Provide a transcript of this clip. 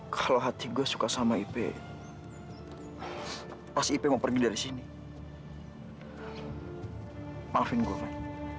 kalau hati gue suka sama ipe pas ip mau pergi dari sini maafin gue kan